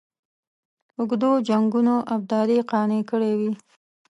اوږدو جنګونو ابدالي قانع کړی وي.